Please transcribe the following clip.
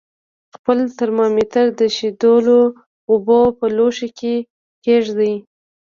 خپل ترمامتر د ایشېدلو اوبو په لوښي کې کیږدئ.